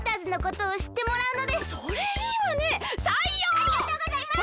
ありがとうございます！